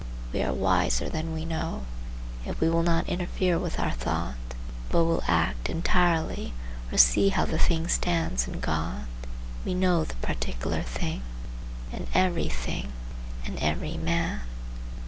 We are wiser than we know. If we will not interfere with our thought, but will act entirely, or see how the thing stands in God, we know the particular thing, and every thing, and every man.